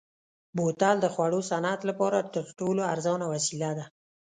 بوتل د خوړو صنعت لپاره تر ټولو ارزانه وسیله ده.